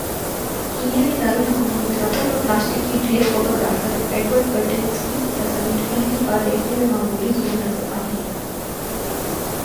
Kenya کے دارلحکومت میں ربڑ اور پلاسٹک کے ڈھیر فوٹو گرافر ایڈورڈ برٹینسکی کی تصاویر پہلی بار دکھنے میں معمولی ضرور نظر آتی ہیں